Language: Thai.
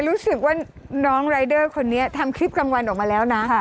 รู้สึกว่าน้องรายเดอร์คนนี้ทำคลิปกลางวันออกมาแล้วนะ